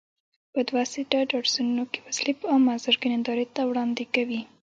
په دوه سیټه ډاټسنونو کې وسلې په عام محضر کې نندارې ته وړاندې کوي.